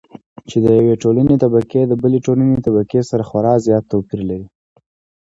چې د يوې ټولنې طبقې د بلې ټولنې طبقې سره خورا زيات توپېر لري.